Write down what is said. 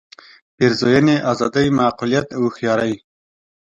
پېرزوینې آزادۍ معقولیت او هوښیارۍ.